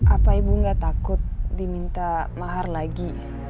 apa ibu nggak takut diminta mahar lagi